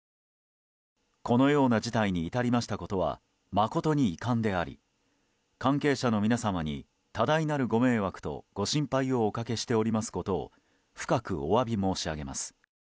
このような事態に至りましたことは誠に遺憾であり関係者の皆様に多大なるご迷惑とご心配をおかけしておりますことを深くお詫び申し上げます。